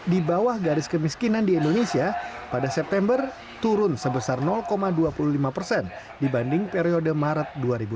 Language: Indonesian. di bawah garis kemiskinan di indonesia pada september turun sebesar dua puluh lima persen dibanding periode maret dua ribu dua puluh